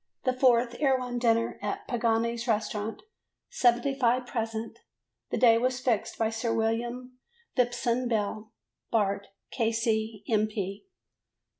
The fourth Erewhon dinner at Pagani's Restaurant; 75 present: the day was fixed by Sir William Phipson Beale, Bart., K.C., M.